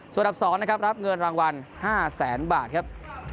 ส่วนอันดับ๒นะครับรับเงินรางวัล๕แสนบาทครับ